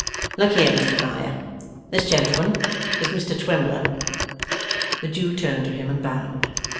Look here, Mr Riah. This gentleman is Mr Twemlow.' The Jew turned to him and bowed.